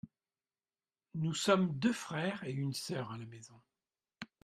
Nous sommes deux frères et une sœur à la maison.